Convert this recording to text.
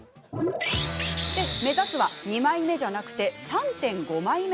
目指すは二枚目じゃなくて３．５枚目？